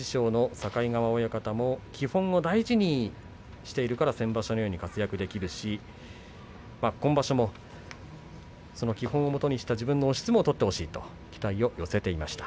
境川親方は基本を大事にしているから先場所のように活躍できるし今場所も、その基本をもとにして押し相撲を取ってほしいと期待を寄せていました。